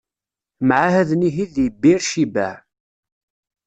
Mɛahaden ihi di Bir Cibaɛ.